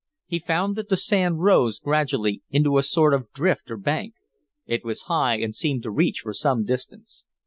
He found that the sand rose gradually into a sort of drift or bank. It was high, and seemed to reach for some distance.